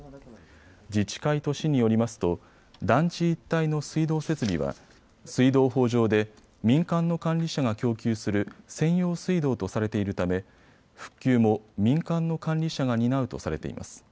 自治会と市によりますと団地一帯の水道設備は水道法上で民間の管理者が供給する専用水道とされているため復旧も民間の管理者が担うとされています。